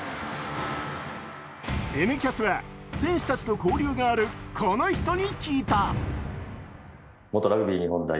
「Ｎキャス」は、選手たちと交流があるこの人に聞いた。